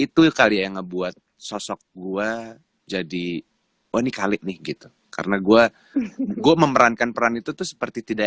cuma buat sosok gua jadi poni kali nih gitu karena gua gua memerankan peran itu tuh seperti tidak